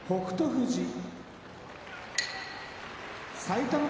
富士埼玉県出身